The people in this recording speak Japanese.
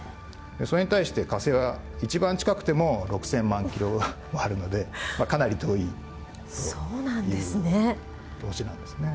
それに対して火星は一番近くても６０００万キロはあるのでかなり遠いという星なんですね。